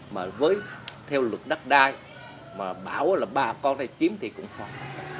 mà với theo luật đắc đai mà bảo là bà con này chiếm thì cũng khỏi